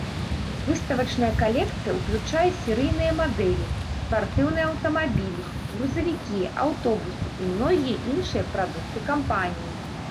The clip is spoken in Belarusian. Выставачная калекцыя ўключае серыйныя мадэлі, спартыўныя аўтамабілі, грузавікі, аўтобусы і многія іншыя прадукты кампаніі.